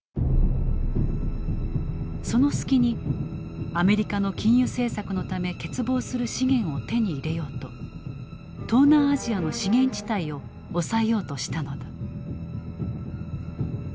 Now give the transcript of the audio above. その隙にアメリカの禁輸政策のため欠乏する資源を手に入れようと東南アジアの資源地帯を押さえようとしたのだ。